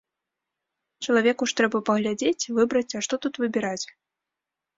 Чалавеку ж трэба паглядзець, выбраць, а тут што выбіраць?